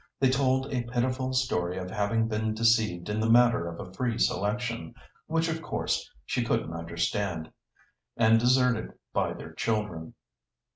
They told a pitiful story of having been deceived in the matter of a free selection—which, of course, she couldn't understand—and deserted by their children.